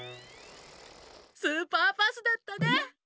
スーパーパスだったね！